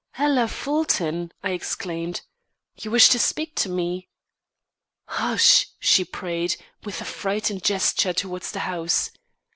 "Ella Fulton!" I exclaimed. "You wish to speak to me?" "Hush!" she prayed, with a frightened gesture towards the house.